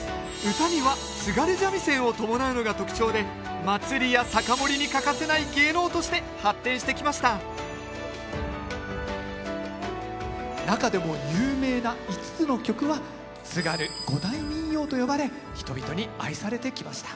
唄には津軽三味線を伴うのが特徴で祭りや酒盛りに欠かせない芸能として発展してきました中でも有名な５つの曲は「津軽五大民謡」と呼ばれ人々に愛されてきました。